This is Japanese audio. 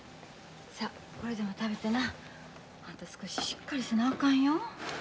さあこれでも食べてな少ししっかりせなあかんよ。